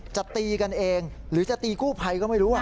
จะตีกันเองหรือจะตีกู้ไพก็ไม่รู้ว่ะ